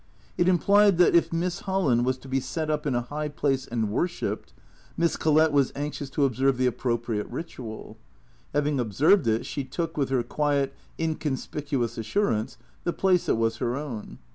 It implied that, if Miss Holland was to be set up in a high place and worshipped, Miss Collett was anxious to observe the appropriate THE CREATORS 169 ritual. Having observed it, she took, with her quiet, incon spicuous assurance, the place that was her own.